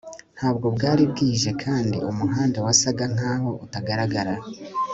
ntabwo bwari bwije kandi umuhanda wasaga nkaho utagaragara